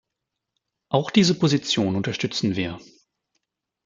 Auch diese Position unterstützen wir.